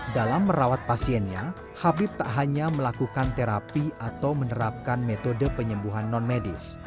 dalam merawat pasiennya habib tak hanya melakukan terapi atau menerapkan metode penyembuhan non medis